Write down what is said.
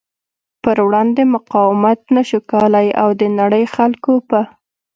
پر وړاندې مقاومت نشو کولی او د نړۍ خلکو په